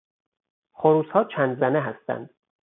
خروسها چند زنه هستند.